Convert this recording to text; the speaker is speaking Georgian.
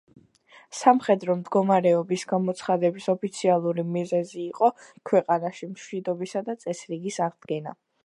სამხედრო მდგომარეობის გამოცხადების ოფიციალური მიზეზი იყო „ქვეყანაში მშვიდობისა და წესრიგის აღდგენა“.